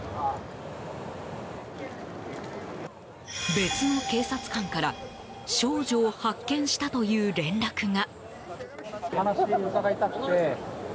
別の警察官から少女を発見したという連絡が。